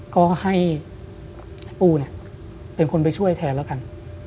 ก็ให้ปูเนี่ยเป็นคนไปช่วยแทนแล้วกัน